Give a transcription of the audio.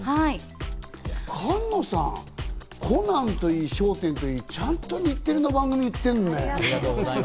菅野さん、『コナン』といい、『笑点』といい、ちゃんと日テレの番組にいってるんだね。